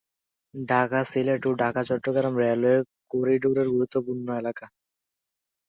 ঢাকা-সিলেট ও Dhaka-Chittagong railway করিডোরের গুরুত্বপূর্ণ এলাকা।